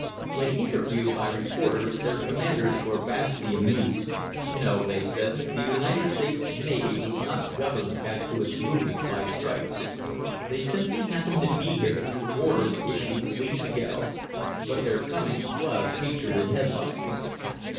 When interviewed by reporters, their commanders were vastly amused. No, they said, the United States Navy was not governed as to its movements by strikes. They simply happened to be here through orders issued weeks ago. But their coming was featured in headlines.